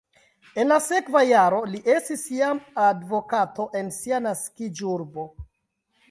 En la sekva jaro li estis jam advokato en sia naskiĝurbo.